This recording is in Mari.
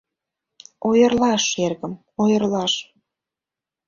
Ойырлаш, эргым, ойырлаш...